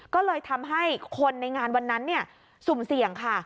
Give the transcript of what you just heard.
ก็เลยทำให้คนในงานวันนั้นสุ่มเสี่ยงค่ะ